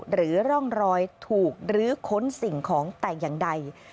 หรือร่องรอยถูกลื้อค้นสิ่งของแต่อย่างใด